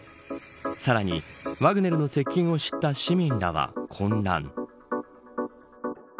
さらに、ワグネルの接近を知った市民らは混乱。